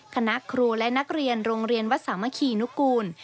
คณะครูและนักเรียนโรงเรียนวัดสามัคคีนุกูล